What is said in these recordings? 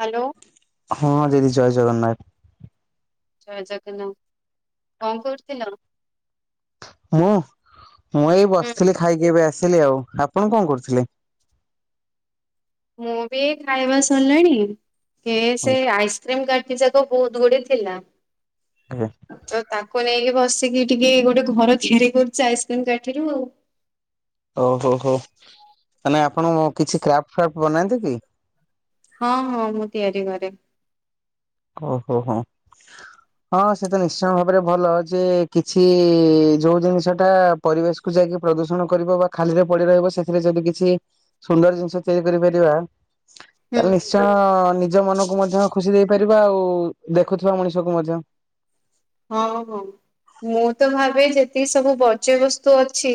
Hello ହଁ ଦିଦି ଜୟ ଜଗନ୍ନାଥ ଜୟ ଜଗନ୍ନାଥ କଣ କରୁଥିଲ? ମୁଁ ମୁଁ ଏଇ ବସିଥିଲି ଖାଇକି ଏବେ ଆସିଲି ଆଉ। ଆପଣ କଣ କରୁଥିଲେ? ମୁଁ ବି ଏଇ ଖାଇବା ସରିଲାଣି। କେ ସେ ଆଇସ୍କ୍ରିମ କା [unintelligible] ଯାକ ବହୁତ ଗୋଡେ ଥିଲା। ଆଜ୍ଞା। କୁ ନେଇକି ବସିକି ଟିକେ ଗୋଟେ ଘର ତିଆରି କରୁଛି ଆଇସ୍କ୍ରିମ କାଠିରୁ ଆଉ। ଓହୋ ହୋ ମାନେ ଆପଣ କିଛି କ୍ରାପ ଫ୍ରାପ ବନାନ୍ତି କି? ହଁ ହଁ ମୁଁ ତିଆରି କରେ। ଓହୋ ହୋ ହଁ ହଁ ସେ ତ ନିଶ୍ଚୟ ଭାବରେ ଭଲ ଯେ କିଛି ଯୋଉ ଜିନିଷ ଟା ପରିବେଶକୁୁ ଯାଇକି ପ୍ରଦୂଷଣ କରିବ ବା ଖାଲିରେ ପଡି ରହିବ ସେଥିରେ ଯଦି କିଛି ସୁନ୍ଦର ଜିନିଷ ତିଆରି କରିପାରିବା ତାହେଲେ ନିଶ୍ଚୟ ନିଜ ମନ [unintelligible] ମଧ୍ୟ ଖୁସି ଦେଇ ପାରିବା ଆଉ ଦେଖୁଥିବା ମଣିଷକୁ ମଧ୍ୟ। ହଁ ହଁ ମୁଁ ତ ଭାବେ ଯେତିକି ସବୁ ବର୍ଜ୍ୟ ବସ୍ତୁ ଅଛି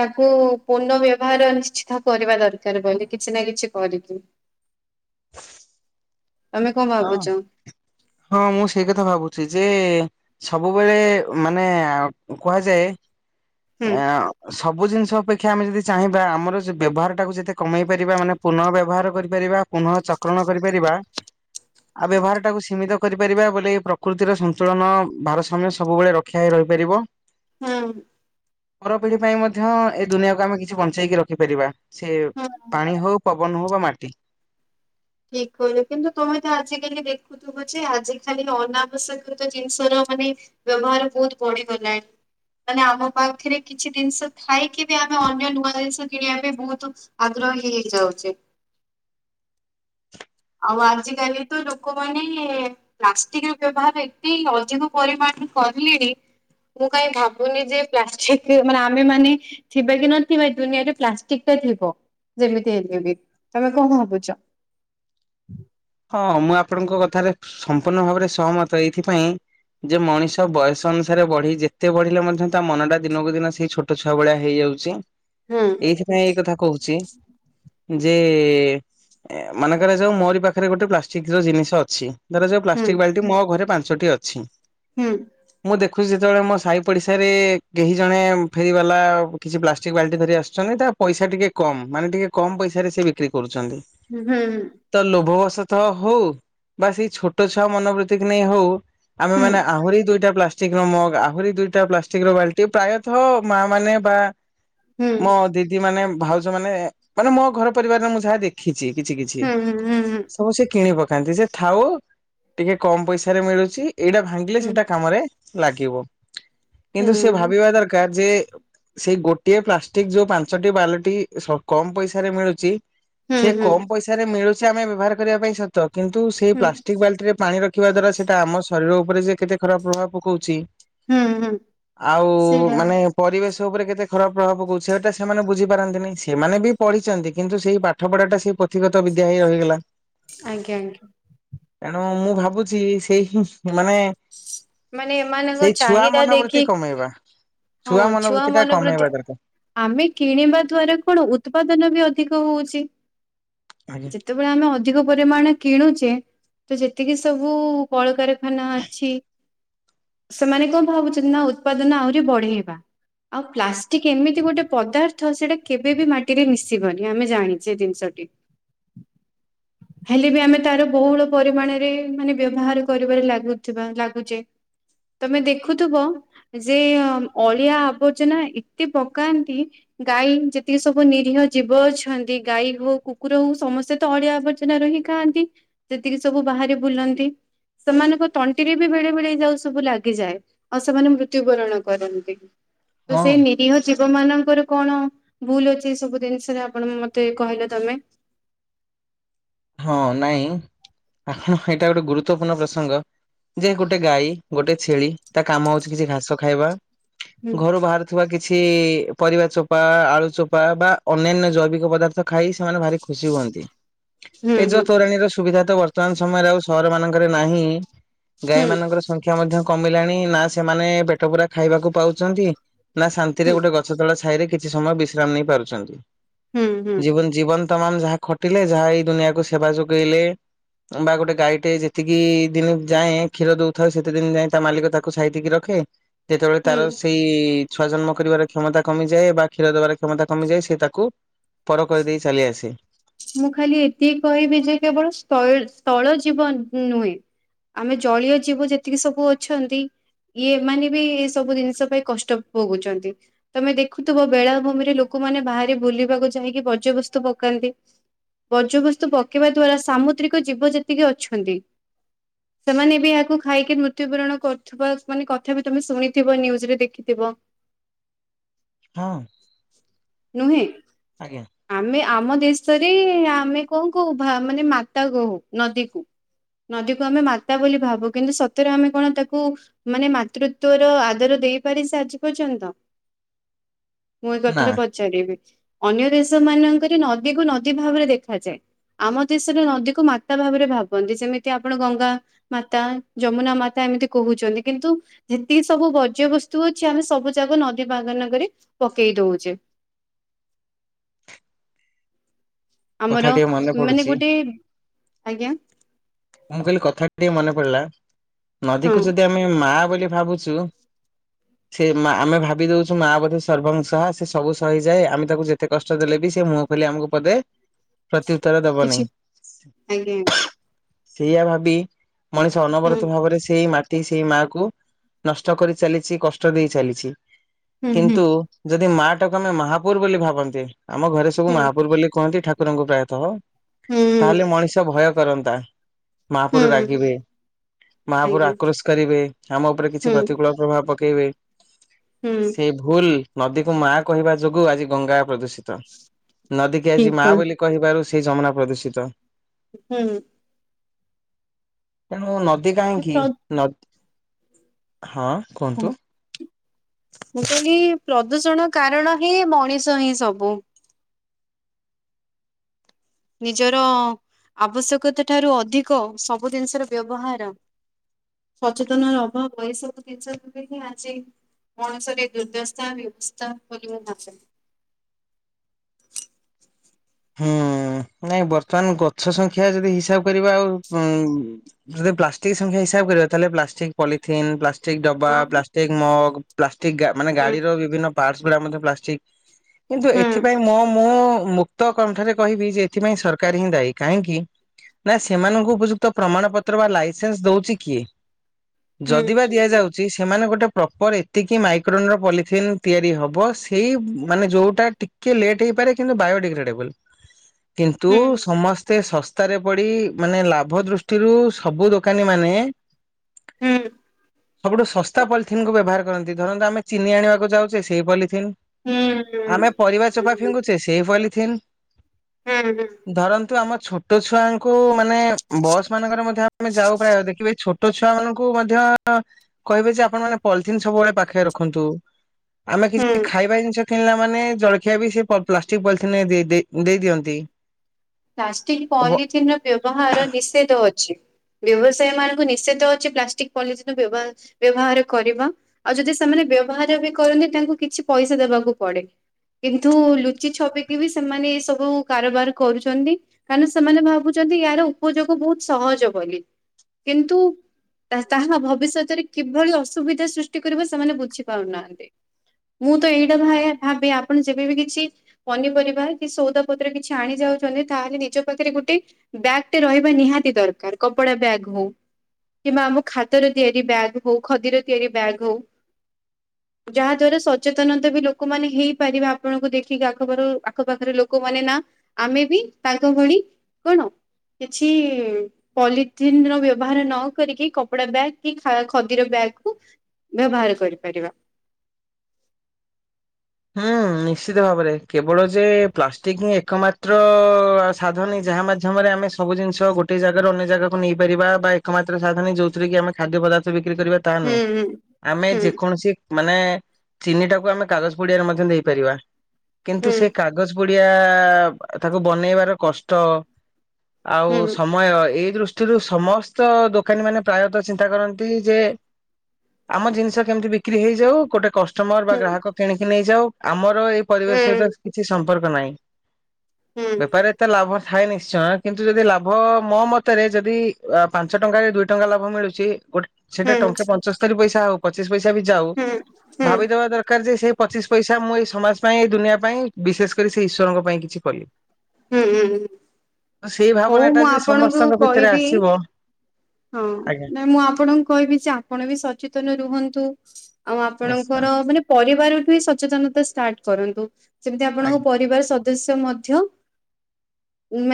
ତାକୁ ପୁନଃ ବ୍ୟବହାର ନିଶ୍ଚିତ କରିବା ଦରକାରେ ବୋଇଲେ କିିଛି ନା କିଛି କରିକି। ତମେ କଣ ହଁ ଭାବୁଛ? ହଁ ମୁଁ ସେଇ କଥା ଭାବୁଛି ଯେ ସବୁବେଳେ ମାନେ କୁହାଯାଏ ହୁଁ ଆଁ ସ ସବୁ ଜିନିଷ ଅପେକ୍ଷା ଆମେ ଯଦି ଚାହିଁବା ଆମର ଯ ବ୍ୟବହାର ଟାକୁ ଯେତେ କମେଇ ପାରିବା ମାନେ ପୁନଃ ବ୍ୟବହାର କରିପାରିବା ପୁନଃ ଚକ୍ରଣ କରିପାରିବା ଆଉ ବ୍ୟବହାର ଟାକୁ ସୀମିତ କରିପାରିବା ବୋଇଲେ ଏ ପ୍ରକୃତିର ସନ୍ତୁଳନ ଭାରସାମ୍ୟ ସବୁବେଳେ ରକ୍ଷା ହେଇ ରହିପାରିବ। ହୁଁ। ପର ପିଢି ପାଇଁ ମଧ୍ୟ ଏ ଦୁନିଆକୁ ଆମେ କିଛି ବଞ୍ଚେଇକି ରଖିପାରିବା। ସେ ହୁଁ। ପାଣି ହଉ ପବନ ହଉ ବା ମାଟି। ଠିକ କହିଲେ କିନ୍ତୁ ତମେ ତ ଆଜିକାଲି ଦେଖୁଥିବ ଯେ ଆଜିିକାଲି ଅନାବଶ୍ୟକ ତ ଜିନିଷ ର ମାନେ ବ୍ୟବହାର ବହୁତ ବଢିଗଲାଣି ମାନେ ଆମ ପାଖରେ କିଛି ଜିନିଷ ଥାଇକି ବି ଆମେ ଅନ୍ୟ ନୂଆ ଜିନିଷ କିଣିଆ ପାଇଁ ବହୁତ ଆଗ୍ରହୀ ହେଇଯାଉଛେ। ଆଉ ଆଜିକାଲି ତ ଲୋକମାନେ ପ୍ଲାଷ୍ଟିକ ର ବ୍ୟବହାର ଏତେ ଅଧିକ ପରିମାଣରେ କରିଲେଣି ମୁଁ କାଇଁ ଭାବୁନି ଯେ ପ୍ଲାଷ୍ଟିକ ରେ ମାନେ ଆମେ ମାନେ ଥିବା କି ନଥିବା ଦୁନିଆରେ ପ୍ଲାଷ୍ଟିକ ଟା ଥିବ ଯେମିତି ହେଲେ ବି। ତମେ କଣ ଭାବୁଚ? ହୁଁ [inaudible] ହଁ ମୁଁ ଆପଣଙ୍କ କଥାରେ ସମ୍ପୂର୍ଣ୍ଣ ଭାବରେ ସହମତ ଏଇଥିପାଇଁ ଯେ ମଣିଷ ବୟସ ଅନୁସାରେ ବଢି ଯେତେ ବଢିଲେ ମଧ୍ୟ ତା ମନଟା ଦିନକୁ ଦିନ ସେଇ ଛୋଟ ଛୁଆ ଭଳିଆ ହେଇଯାଉଛି। ହୁଁ ଏଇଥିପାଇଁ ଏଇ କଥା କହୁଛି। ଯେ ମାନେକରା ଯାଉ ମୋରି ପାଖ ପାଖରେ ଗୋଟେ ପ୍ଲାଷ୍ଟିକ ର ଜିନିଷ ଅଛି। ଧରାଯାଉ ହୁଁ ପ୍ଲାଷ୍ଟିକ ବାଲଟି ମୋ ଘରେ ପାଞ୍ଚ ଞ୍ଚଠି ଅଛି, ହୁଁ ମୁଁ ଦେଖ ଦେଖୁଛି ଯେତେବେଳେ ମୋ ସାହି ପଡ଼ିଶାରେ କେହି ଜଣେ ଫେରିବାଲା କିଛି ପ୍ଲାଷ୍ଟିକ୍ ବାଲ୍ଟି ଧରି ଆସୁଛନ୍ତି ତା ପଇସା ଟିକେ କମ୍ ମାନେ ଟିକେ କମ୍ ପଇସାରେ ସେ ବିକ୍ରି କରୁଛି। ଚନ୍ତି ହୁଁ ତ ଲୋଭ ତ ହଉ ବା ସେଇ ଛୋଟ ଛୁଆ ମନୋବୃତ୍ତି କି ନେଇ ହଉ ଆମେ ହୁଁ। ମାନେ ଆହୁରି ଦୁଇଟା ପ୍ଲାସ ଷ୍ଟିକର ମଗ ଆହୁରି ଦୁଇଟା ପ୍ଲାଷ୍ଟିକର ବାଲଟି ପ୍ରାୟତଃ ମା ମାନେ ବା ମୋ ଦିଦି ମାନେ ଭାଉଛ ମାନେ ମାନେ ମୋ ଘର ପରିବାରରେ ମୁଁ ଯାହା ଦେଖିଛି କିଛି କିଛି ହୁଁ ହୁଁ ହୁଁ ହୁଁ ସବୁ ସେ କିଣି ପକାନ୍ତି ସେ ଥାଉ ଟିକେ କମ ପଇସାରେ ମିଳୁଛି ଏଇଟା ଭାଙ୍ଗିଲେ ସେଇଟା କାମରେ ଲାଗିବ। କିନ୍ତୁ ସେ ଭାବିବା ଦରକାର ଯେ ସେଇ ଗୋଟିଏ ପ୍ଲାଷ୍ଟିକ ଯୋଉ ପାଞ୍ଚଟି ବାଲଟି କମ ପଇସାରେ ମିଳୁଛି ସେ କମ ପଇସା ରେ ମିଳୁ ଆମେ ବ୍ୟବହାର କରିବା ପାଇଁ ସତ କିନ୍ତୁ ସେଇ ପ୍ଲାଷ୍ଟିକ ବାଲ୍ଟି ରେ ପାଣି ର ଦେଖିବା ଦ୍ଵାରା ସେଇଟା ଆମ ଶରୀର ଉପରେ ଯେ କେତେ ଖରାପ ପ୍ରଭାବ ପକଉଛି ଆଉ ସେଇଟା ମାନେ ପରିବେଶ ଉପରେ କେତେ ଖରାପ ପ୍ରଭାବ ପକଉଛି ସେଟା ସେମାନେ ବୁଝି ପାରନ୍ତିନି ସେମାନେ ବି ପଢିଛନ୍ତି କିନ୍ତୁ ସେଇ ପାଠ ପଢାଟା ସେଇ ପୋଥୀଗତ ବିଦ୍ୟା ହେଇ ରହିଗଲା। ଆଜ୍ଞା ଆଜ୍ଞା। ତେଣୁ ମୁଁ ଭାବୁଛି ସେଇ ମାନେ ମାନେ ଏମାନଙ୍କ ସେଇ ଛୁଆ ଚାହିଦା ମନୋବୃତ୍ତି ଦେଖି କମେଇବା ହଁ ଛୁଆ ଟା କମେଇବା ମନୋବୃତ୍ତି ଦରକାର। ଆମେ କିଣିବା ଦ୍ଵାରା କଣ ଉତ୍ପାଦନ ବି ଅଧିକ ର ହଉଛି ଆଜ୍ଞା ଯେତେବେଳେ ଆମେ ଅ ଅଧିକ ପରିମାଣ କିଣୁଛେ ତ ଯେତିକି ସବୁ କଳକାରଖାନା ଅଛି ସେମାନେ କଣ ଭାବୁଛନ୍ତି ନା ଉତ୍ପାଦନ ଆହୁରି ବଢେଇବା ଆଉ ପ୍ଲାଷ୍ଟିକ ଏମିତି ଗୋଟେ ପଦାର୍ଥ ସେଇଟା କେବେ ବି ମାଟିରେ ମିଶିବନି ଆମେ ଜାଣିଛେ ଜିନିଷଟି, ହେଲେ ବି ଆମେ ତାର ବହୁଳ ପରିମାଣରେ ମାନେ ବ୍ୟବହାର କରିବାରେ ଲାଗୁଥିବା ଲା ତମେ ଦେଖୁଥିବ ଯେ ଅଳିଆ ଆବର୍ଜନା ଏତେ ପକାନ୍ତି ଗାଈ ଯେତିକି ସବୁ ନିରୀହ ଜୀବ ଅଛନ୍ତି ଗାଈ ହଉ କୁକୁର ହଉ ସମସ୍ତେ ତ ଅଳିଆ ଆବର୍ଜନା ରହିି ଖାଆନ୍ତି ସେତିକି ସବୁ ବାହାରେ ବୁଲନ୍ତି ସେମାନଙ୍କ ତଣ୍ଟିରେ ବେଳେ ବେଳେ ଯାଉ ସବୁ ଲାଗିଯାଏ। ଆଉ ସେମାନେ ମୃତ୍ୟୁବରଣ କରନ୍ତି। ତ ହଁ ସେଇ ନିରୀହ ଜୀବ ମାନ ଙ୍କର କଣ ଭୁଲ ଅଛି ଏ ସବୁ ଜିନିଷରେ? ଆପଣ ମତେ କହିଲେ ତମେ। ହଁ। ନାଇଁ। [unintelligible] ଏଇଟା ଗୋଟେ ଗୁରୁତ୍ୱପୂର୍ଣ୍ଣ ପ୍ରସଙ୍ଗ ଯେ ଗୋଟେ ଗାଈ ଗୋଟେ ଛେଳି ତା କାମ ହଉଛି କିଛି ଘାସ ଖାଇବା। ହୁଁ ଘରୁ ବାହାରୁଥିବା କି କିଛି ପରିବା ଚୋପା, ଆଳୁ ଚୋପା ବା ଅନ୍ୟାନ୍ୟ ଜୈବିକ ପଦାର୍ଥ ଖାଇ ସେମାନେ ଭାରି ଖୁସି ହୁଅନ୍ତି। ହୁଁ ପେଜ ହୁଁ ତୋରାଣୀ ର ସୁବିଧା ତ ବର୍ତ୍ତମାନ ସମୟରେ ଆଉ ସହର ମାନଙ୍କରେ ନାହିଁ। ଗାଈ ହୁଁ ମାନଙ୍କର ସଂଖ୍ୟା ମଧ୍ୟ, କମିଲାଣି। ନା ସେମାନେ ପେଟ ପୂରା ଖାଇବାକୁ ପାଉଛନ୍ତି? ନା ଶାନ୍ତି ରେ ହୁଁ ଗୋଟେ ଗଛ ତଳ ଛାଇରେ କିଛି ସମୟ ବିଶ୍ରାମ ନେଇ ପାରୁଛନ୍ତି। ହୁଁ ହୁଁ। ଜୀବନ ଜୀବନ ତମାମ ଯାହା ଖଟିଲେ ଯାହା ଏଇ ଦୁନିଆକୁ ସେବା ଯୋଗେଇଲେ। ବା ଗୋଟେ ଗାଈ ଟେ ଯେତିକି ଦିନ ଯାଏ କ୍ଷୀର ଦଉଥାଉ ସେତେ ଦିନ ଯାଏ, ତା ମାଲିକ ତାକୁ ସାଇତିକି ରଖେ। ଯେତେବେଳେ ତାର ହୁଁ ସେଇ ଛୁଆ ଜନ୍ମ କରିବାର କ୍ଷମତା କମିଯାଏ ବା କ୍ଷୀର ଦେବାର କ୍ଷମତା କମିଯାଏ? ସେ ତାକୁ ପର କରିଦେଇ ଚାଲି ଆସେ। ମୁଁ ଖାଲି ଏତିକି କହିବି ଯେ କେବଳ ସ୍ଥ ସ୍ଥଳ ଜୀବ ନୁହେଁ, ଆମେ ଜଳୀୟ ଜୀବ ଯେତିକି ସବୁ ଅଛନ୍ତି। ଇଏ ମାନେ ବି ଏ ସବୁ ଜିନିଷ ପାଇଁ କଷ୍ଟ ପୋଗୁଛନ୍ତି। ତମେ ଦେଖୁଥିବ ବେଳାଭୂମିରେ ଲୋକମାନେ ବାହାରି ବୁଲିବାକୁ ଯାଇକି ବର୍ଜ୍ୟବସ୍ତୁ ପକାନ୍ତି? ବର୍ଜ୍ୟବସ୍ତୁ ପକେଇବା ଦ୍ଵାରା ସାମୁଦ୍ରିକ ଜୀବ ଯେତିକି ଅଛନ୍ତି। ସେମାନେ ବି ଏହାକୁ ଖାଇକି ମୃତ୍ୟୁବରଣ କରୁଥିବା, ମାନେ କଥା ବି ତମେ ଶୁଣିଥିବ ନ୍ୟୁଜରେ ଦେଖିଥିବ? ହଁ। ନୁହେଁ? ଆଜ୍ଞା ଆମେ ଆମ ଦେଶ ସରି ଆମେ କଣ କହୁ ଭା ମାନେ ମାତା କହୁ ନଦୀକୁ। ନଦୀକୁ ଆମେ ମାତା ବୋଲି ଭାବୁ, କିନ୍ତୁ ସତରେ ଆମେ କଣ ତାକୁ ମାନେ ମାତୃତ୍ୱର ଆଦର ଦେଇପାରି [unintelligible] ସେ ଆଜି ପର୍ଯ୍ୟନ୍ତ? ମୁଁ ଏଇ କଥା ନା ଟା ପଚାରିବି? ଅନ୍ୟ ଦେଶ ମାନଙ୍କରେ ନ ନଦୀକୁ ନଦୀ ଭାବରେ ଦେଖାଯାଏ। ଆମ ଦେଶରେ ନଦୀ କୁ ମାତା ଭାବରେ ଭାବନ୍ତି। ସେମିତି ଆପଣ ଗଙ୍ଗା ମାତା, ଯମୁନା ମାତା ଏମିତି କହୁଛନ୍ତି। କିନ୍ତୁ ଯେତିକି ସବୁ ବର୍ଜ୍ୟବସ୍ତୁ ଅଛି, ଆମେ ସବୁ ଯାଗ ନଦୀ ବାଗାନ [unintelligible] କରିରେ ପକେଇ ଦଉଛେ। କଥା ଆମର ଟିକେ ମନେ ମାନେ ପଡୁଛି ଗୋଟେ, ଆଜ୍ଞା? ମୁଁ କହିଲି କଥା ଟିକେ ମନେ ପଡିଲା। ହଁ ନଦୀକୁ ଯଦି ଆମେ ମାଆ ବୋଲି ଭାବୁଛୁ? ସେ ମା ଆମେ ଭାବିଦଉଛୁ ମା ବୋଧେ ସର୍ବଂ ସହା ସେ ସବୁ ସହିଯାଏ, ଆମେ ତାକୁ ଯେତେ କଷ୍ଟ ଦେଲେ ବି ସେ ମୁହଁ ଖୋଲି ଆମକୁ ପଦେ ପ୍ରତ୍ୟୁତ୍ତର ଦବ କିଛି ନି। ଆଜ୍ଞା ସେଇଆ ଭାବି ମଣିଷ ହୁଁ ଅନବରତ ଭାବରେ ସେଇ ମା ଟି, ସେଇ ମାଆ କୁ ନଷ୍ଟ କରି ଚାଲିଛି, କଷ୍ଟ ଦେଇ ଚାଲିଛି। ହୁଁ ହୁଁ କିନ୍ତୁ ଯଦି ମା ହେଟାକୁ ଆମେ ମହାପୁର ବୋଲି ଭାବନ୍ତି। ଆମ ଘରେ ସବୁ ହୁଁ ମହାପୁର ବୋଲି କହନ୍ତି ଠାକୁର କୁରଙ୍କୁ ପ୍ରାୟତଃ ହୁଁ ତାହେଲେ ମଣିଷ ଭୟ। କରନ୍ତା। ହୁଁ ମାହାପୁର ହୁଁ ରାଗିବେ, ମାହାପୁର ଆଜ୍ଞା। ଆକ୍ରୋଶ କରିବେ, ଆମ ଉପରେ କିଛି ହୁଁ ପ୍ରତିକୂଳ ପ୍ରଭାବ ପକ୍ ପକେଇବେ। ହୁଁ ସେ ଭୁଲ ନଦୀ କୁ ମା କହିବା ଯୋଗୁ ଆଜି ଗଙ୍ଗା ପ୍ରଦୂଷି ସିତ ନଦୀ କିି ଆଜି ଠିକ ମା ବୋଲି କହିବାରୁ ସେଇ ଯମୁନା ପ୍ରଦୂଷିତ। ହୁଁ। ତେଣୁ ନଦ ନଦୀ ଏ କାହିଁକି ପ୍ର ନ ହଁ। କୁହନ୍ତୁ। ମୁଁ କହିଲି ପ୍ରଦୂଷଣ କାରଣ ହିଁ ମଣିଷ ହିଁ ସବୁ। ନିଜର ଆବଶ୍ୟକତା ଠାରୁ ଅଧିକ ସବୁ ଜିନିଷର ବ୍ୟବହାର ସଚେତନ ର ଅଭାବ ଏଇ ସବୁ ଜିନିଷକୁ ହିଁ ଆଜି ମଣିଷରେ ଦୁର୍ଦ୍ଦଶତା ବ୍ୟବସ୍ଥା ପରିବନ୍ ଆସେ। ହୁଁ ନାଇଁ ବର୍ତ୍ତମାନ ଗଛ ସଂଖ୍ୟା ଯଦି ହିସାବ କରିବା ଆଉ ଉଁ ଯଦି ପ୍ଲାଷ୍ଟିକ ସଂଖ୍ୟା ହିସାବ କରିବା ତାହଲେ ପ୍ଲାଷ୍ଟିକ ପଲିଥିନ୍ ପ୍ଲାଷ୍ଟ୍ ଷ୍ଟିକ ଡବା ହଁ ପ୍ଲାଷ୍ଟିକ ମଗ ଠିକ୍ ଗା ମାନେ ହୁଁ ଗାଡିର ବିଭିନ୍ନ ପାର୍ଟସ ଗୁାଡ଼ା ମଧ୍ୟ ପ୍ଲାଷ୍ଟିକ। କିନ୍ତୁ ଏଥିପାଇଁ ମୋ ମୁଁ ମୁକ ତ କଣ୍ଠରେ କହିବି ଯେ ଏଥିପାଇଁ ସରକାର ହିଁ ଦାୟୀ। କାହିଁକି ନା ସେମାନଙ୍କୁ ଉପଯୁକ୍ତ ପ୍ରମାଣ ପତ୍ର ବା ଲାଇସେନ୍ସ ଦଉଛି କିଏ? ହୁଁ ଯଦିିବା ଦିଆଯାଉଛି ସେମାନେ ଗୋଟେ ପ୍ରପର ଏତିକି ମାଇକ୍ରୋନର ପଲିଥିନ୍ ତିଆରି ହବ ସେଇ ମାନେ ଯୋଉଟା ଟିକେ ଲେଟ୍ ହେଇପାରେ କିନ୍ତୁ ବାୟୋଡିଗ୍ରେଡ୍ ଡେବଲ। କିନ୍ତୁ ହୁଁ ହୁଁ ସମସ୍ତେ ଶସ୍ ତାରେ ପଡି ମାନେ ଲାଭ ଦୃଷ୍ଟିରୁ ଶଃ ସବୁ ଦୋକାନୀ ମାନେ ହୁଁ। ସବୁଠୁ ଶସ୍ତା ପଲିଥିନ୍ କୁ ବ୍ୟବହାର କରନ୍ତି ଧରନ୍ତୁ ଆମେ ଚିନି ଆଣିବାକୁ ଯାଉଚେ ସେଇ ପଲି ଥିନ୍ ହୁଁ ହୁଁ ହୁଁ ଆମେ ପରିବା ଚୋପା ଫିଙ୍ଗୁଚେ ସେ ପଲି ଟ୍ରେନ୍ ହୁଁ ହୁଁ ହୁଁ ଧରନ୍ତୁ ଆମ ଛୋଟ ଛୁଆ କୋଉ ମାନେ ବସ୍ ମାନଙ୍କରେ ମଧ୍ୟ ଆମେ ଯାଉ ପ୍ରାୟ ଦେଖିବେ ଛୋ ଛୋଟ ଛୁଆ ମାନଙ୍କୁ ମଧ୍ୟ ଅ କହିବେ ଯେ ଆପଣ ମାନେ ପଲିଥିନ୍ ସବୁବେଳେ ପାଖରେ ରଖନ୍ତୁ। ଆମେ ହୁଁ କିଛି ଖାଇବା ଜିନିଷ କିଣଲା ମାନେ, ଜଳଖିଆ ବି ସେ ପ ପ୍ଲାଷ୍ଟିକ ପଲିିଥିନିରେ ଦେ ଦେଇ ଦେଇ ଦିଅନ୍ତି। ପ୍ଲାଷ୍ଟିକ୍ ପଲିଥିନ୍ ର ବ୍ୟବହାର ନିଷେଦ ଅଛି। ବ୍ୟବସାୟୀ ମାନଙ୍କୁ ନିଷେଧ ଅଛି ପ୍ଲାଷ୍ଟିକ ପଲିିଥିନ ବ୍ୟବ ବ୍ୟବହାର କରିବା ଆଉ ଯଦି ସେମାନେ ବ୍ୟବହାର ବି କରନ୍ତି ତାଙ୍କୁ କିଛି ପଇସା ଦବାକୁ ପଡେ କିନ୍ତୁ ଲୁଚି ଛପିକି ବି ସେମାନେ ଏ ସବୁ କାରବାର କରୁଛ ଚନ୍ତି କାରଣ ସେମାନେ ଭାବୁଚନ୍ତି ୟାର ଉପଯୋଗ ବହୁତ ସହଜ ବୋଲି, କିନ୍ତୁ ତା ତାହା ଭବିଷ୍ୟତରେ କିଭଳି ଅସୁବିଧା ସୃଷ୍ଟି କରିବ ସେମାନେ ବୁଝିପାରୁନାହାନ୍ତି। ମୁଁ ତ ଏଇଟା ଭାବି ଆପଣ ଯେବେ ବିି କିଛି ପନିପରିବା କି ସଉଦା ପତ୍ର କିଛି ଆଣି ଯାଉ ଚନ୍ତି, ତାହେଲେ ନିଜ ପାଖରେ ଗୋଟେ ବ୍ୟାଗ ଟେ ରହିବା ନିହାତି ଦରକାର, କପଡା ବ୍ୟାଗ ହଉ କିମ୍ବା ଆମ ହାତାର ତିଆରି ବ୍ୟାଗ ହଉ, ଖଦିରେ ତିଆରି ବ୍ୟାଗ ହଉ, ଯାହା ଦ୍ଵାରା ସଚେତନତା ବି ଲୋକମାନେ ହେଇପାରିବେ ଆପଣଙ୍କୁ ଦେଖିକି ଆଖ ପର ଆଖପାଖରେ ଲୋକମାନେ ନା ଆମେ ବି ତାଙ୍କ ଭଳି କଣ କିଛି ପଲିଥିିନ ର ବ୍ୟବହାର ନ କରିକି କପଡା ବ୍ୟାଗ କି ଖା ଖଦିର ବ୍ୟାଗ କୁ ବ୍ୟବହାର କରିପାରିବା। ହାଁ, ନିଶ୍ଚିତ ଭାବରେ କେବଳ ଯେ ପ୍ଲାଷ୍ଟିକ ହିଁ ଏକମାତ୍ର ଆସ ସାଧନୀ ଯାହା ମାଧ୍ୟମରେ ଆମେ ସବୁ ଜିନିଷ ଗୋଟେ ଜାଗାର ଅନ୍ୟ ଜାଗାକୁ ନେଇପାରିବା ବା ଏକମାତ୍ର ସାଧନୀ ଯୋଉଥିରେ କି ଆମେ ଖାଦ୍ୟ ପଦାର୍ଥ ବି ବିକ୍ରି କରିବା ତାହା ହୁଁ ନୁହେଁ, ହୁଁ ଆମେ ହୁଁ ଯେକୌଣସି ମାନେ ଚିନିଟାକୁ ଆମେ କାଗଚ କୁଡ଼ିଆରେ ମଧ୍ୟ ନେଇପାରିବା। କିନ୍ତୁ ହୁଁ ସେ କାଗଜ ପୁ ପୁଡ଼ିଆ, ତାକୁ ବନେଇବାର କଷ୍ଟ ଆଉ ହୁଁ ସମୟ ଏଇ ଦୃଷ୍ଟିରୁ ସମସ୍ତ ଦୋକାନୀ ମାନେ ପ୍ରାୟତଃ ଚିନ୍ତା କରନ୍ତି ଯେ ଆମ ଜିନିଷ କେମିତି ବିକ୍ରି ହେଇଯାଉ ଗୋଟେ କଷ କଷ୍ଟମର ବା ହୁଁ ଗ୍ରାହକ ନେଇଯାଉ, ଆମର ର ଏଇ ହୁଁ ପରିବେଶର କିଛି ସ ମ୍ପର୍କ ନାହିଁ। ହୁଁ ବେପାରୀ ଏତେ ଲାଭ ଥାଏ ନିଶ୍ଚୟ କିନ୍ତୁ ଯଦି ଲାଭ ମୋ ମତରେ ଯଦି ଆ ପାଞ୍ଚ ଟଙ୍କାରେ ଦୁଇ ଟଙ୍କା ଲାଭ ମିଳୁଚି ଗୋଟ ସେଟା ହୁଁ ଟଙ୍କେ ପଞ୍ଚସ୍ତରି ପଇସା ଙ୍କା ଆଉ ପଚିଶି ପଇସା ଟା ବି ଯାଉ, ହୁଁ ହୁଁ ଭାବିଦବ ଦରକାର ଯେ ସେ ପଚିଶ ପଇସା ମୁଁ ଏଇ ସମାଜ ପାଇଁ ଏଇ ଦୁନିଆ ପାଇଁ ବିଶେଷ କରି ସେ ଈଶ୍ଵରଙ୍କ ପାଇଁ କିଛି କଲି। ହୁଁ, ହୁଁ, ତ ସେଇ ଭାବନା ହଉ ଟା ମୁଁ ଯେ ଆପଣଙ୍କୁ ସମସ୍ତଙ୍କ ଭିତରେ କହିବି ଆସିବ ହଁ ଆଜ୍ଞା ନାଇ, ମୁଁ ଆପଣଙ୍କୁ କହିବି ଯେ ଆପଣ ବି ସଚେତନ ରୁହନ୍ତୁ। ଆଉ ନିଶ୍ଚୟ ଆପଣଙ୍କର ମାନେ ପରିବାର ରୁ ହିଁ ସଚେତନତା ଷ୍ଟାର୍ଟ କରନ୍ତୁ। [unintelligible] ଯେମିତି ଆପଣଙ୍କ ଆଜ୍ଞା। ପରିବାର ସଦ ବେଶ ମଧ୍ୟ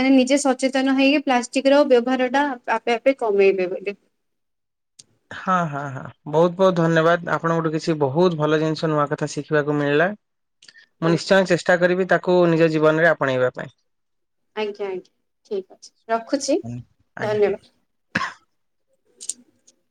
ମାନେ ନିଜେ ସଚେତନ ହେଇ ପ୍ଲାଷ୍ଟିକ ର ବ୍ୟବହାର ଟା ଆପେ ଆ ଯେ କମେଇଦେବେ ହଁ ହଁ ବହୁତ ବହୁତ ଧନ୍ୟବାଦ ଆପଣଙ୍କଠୁ କିଛି ବହୁତ ଭଲ ଜିନିଷ ନୂଆ କଥା ଶିଖିବାକୁ ମିଳିଲା। ମୁଁ ଆଜ୍ଞା ନିଶ୍ଚୟ ଚେଷ୍ଟା କରିବି ତାକୁ କୁ ନିଜ ଜୀବନ ରେ ଆପଣେଇବା ପାଇଁ। ଆଜ୍ଞା ଆଜ୍ଞା ଠିକ୍ ଅଛି ରଖୁଛି। ଆଜ୍ଞା। ଧନ୍ୟବାଦ୍। [unintelligible]